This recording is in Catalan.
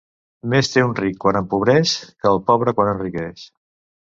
Més té un ric quan empobreix, que el pobre quan enriqueix.